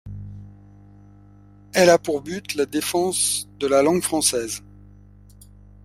Elle a pour but la défense de la langue française.